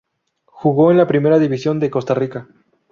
Jugó en la Primera División de Costa Rica.